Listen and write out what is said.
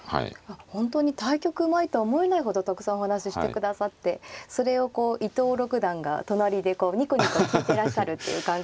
本当に対局前とは思えないほどたくさんお話ししてくださってそれをこう伊藤六段が隣でにこにこ聞いてらっしゃるっていう感じでした。